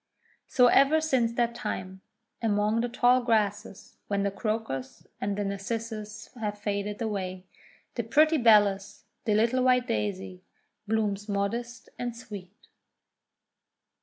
So ever since that time, among the tall grasses, when the Crocus and the Narcissus 136 THE WONDER GARDEN have faded away, the pretty Bellis, the little white Daisy, blooms modest and sweet.